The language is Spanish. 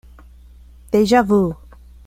Deja Vu